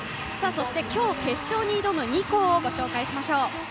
そして今日、決勝に挑む２校を紹介しましょう。